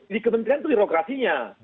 di kementerian itu birokrasinya